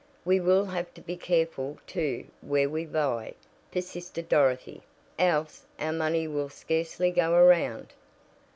"We will have to be careful, too, where we buy," persisted Dorothy, "else our money will scarcely go around."